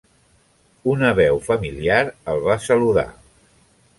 Una veu familiar el va saludar.